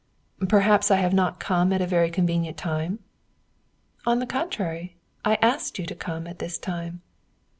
"Perhaps I have not come at a very convenient time?" "On the contrary, I asked you to come at this time."